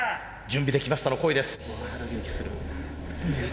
「準備できました」の声です。